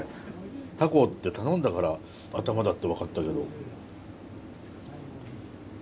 タコって頼んだから頭だって分かったけど。